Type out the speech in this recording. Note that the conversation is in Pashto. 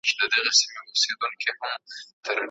اسلام غير مسلمانانو ته پوره ازادي ورکوي.